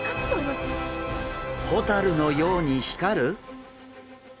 ホタルのように光る！？